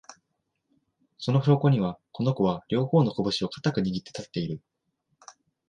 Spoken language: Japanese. その証拠には、この子は、両方のこぶしを固く握って立っている